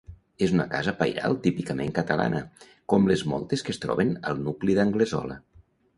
És una casa pairal típicament catalana, com les moltes que es troben al nucli d'Anglesola.